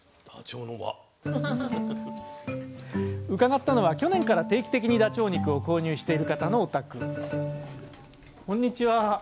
伺ったのは去年から定期的にダチョウ肉を購入している方のお宅こんにちは。